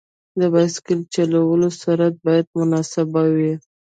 د بایسکل چلولو سرعت باید مناسب وي.